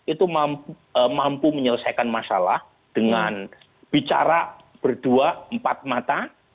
itu mampu menyelesaikan masalah dengan bicara berdua empat mata